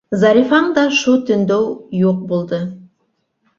Зарифаң да шу төндө юҡ булды.